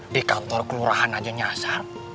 di kantor kelurahan aja nyasar